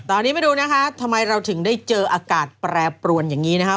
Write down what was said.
ตอนนี้มาดูนะคะทำไมเราถึงได้เจออากาศแปรปรวนอย่างนี้นะครับ